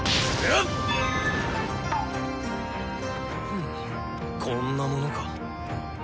ふぅこんなものか。